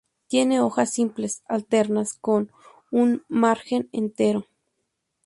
Tiene hojas simples, alternas con un margen entero.